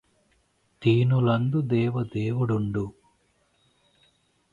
దీనులందు దేవదేవుడుండు